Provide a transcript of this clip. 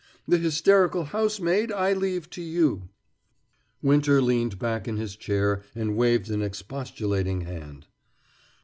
The hysterical housemaid I leave to you." Winter leaned back in his chair and waved an expostulating hand.